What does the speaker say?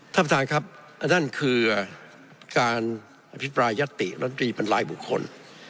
ท่านประธานครับอันนั้นคือการอภิกรายัตติและอันตรีบรรลายบุคคล